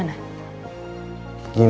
kamu yakin suratnya udah ditaruh di sana